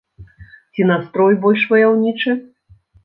Ці настрой больш ваяўнічы?